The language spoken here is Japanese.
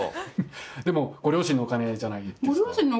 でもご両親のお金じゃないですか。